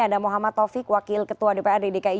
ada muhammad taufik wakil ketua dprd dki